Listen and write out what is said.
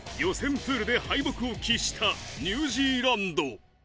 プールで敗北を喫したニュージーランド。